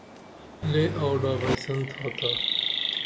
لے آوڈا بیسن تھاتا